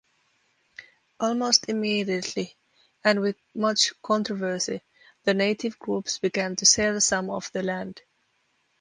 Almost immediately-and with much controversy-the native groups began to sell some of the land.